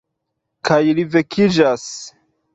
Kaj li vekiĝas.